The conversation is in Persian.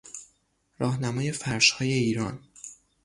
راهنمای فرشهای ایران